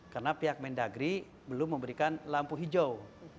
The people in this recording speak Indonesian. karena pihak mendagri belum memberikan lampu hijau